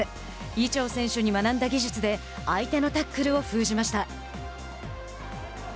伊調選手に学んだ技術で相手のタックルを封じました。